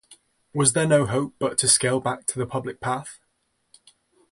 Was there no hope but to scale back to the public path?